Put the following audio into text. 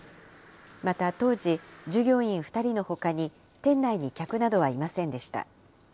また当時、従業員２人のほかに、店内に客などはいませんでした。